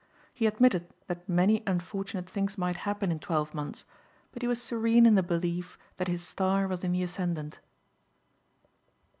He admitted that many unfortunate things might happen in twelve months but he was serene in the belief that his star was in the ascendant.